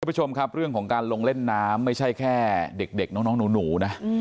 ผู้ชมครับเรื่องของการลงเล่นน้ำไม่ใช่แค่เด็กน้องหนูนะ